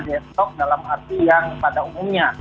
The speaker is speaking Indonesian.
besok dalam arti yang pada umumnya